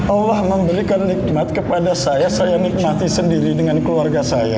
allah memberikan nikmat kepada saya saya nikmati sendiri dengan keluarga saya